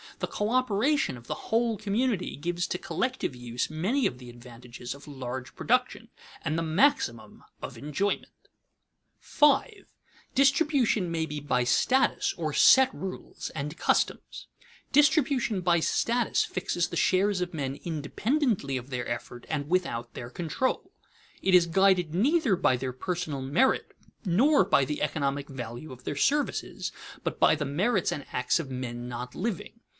The coöperation of the whole community gives to collective use many of the advantages of large production, and the maximum of enjoyment. [Sidenote: Distribution by custom and status] 5. Distribution may be by status or set rules and customs. Distribution by status fixes the shares of men independently of their effort and without their control. It is guided neither by their personal merit nor by the economic value of their services, but by the merits and acts of men not living.